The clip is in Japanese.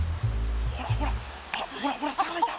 ほらほらほらほら魚いた！